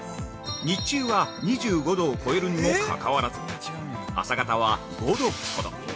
日中は２５度を超えるにもかかわらず、朝方は５度ほど。